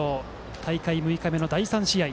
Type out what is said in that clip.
大会６日目の第３試合